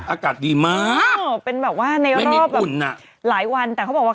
อากาศดีมากเป็นแบบว่าในรอบอุ่นอ่ะหลายวันแต่เขาบอกว่า